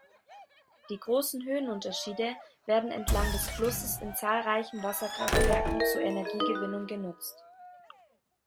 Die großen Höhenunterschiede werden entlang des Flusses in zahlreichen Wasserkraftwerken zur Energiegewinnung genutzt.